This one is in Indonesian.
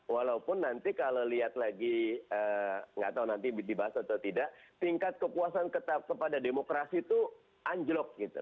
walaupun nanti kalau lihat lagi nggak tahu nanti dibahas atau tidak tingkat kepuasan kepada demokrasi itu anjlok gitu